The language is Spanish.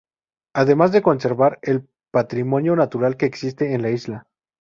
Además de conservar el patrimonio natural que existe en la isla.